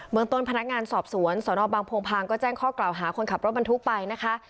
เมืองต้นพนักงานสอบสวนสนบางโพงพางก็แจ้งข้อกล่าวหาคนขับรถบรรทุกไปนะคะ